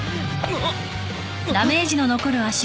あっ！